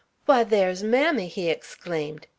"Why, thar's mammy!" he exclaimed.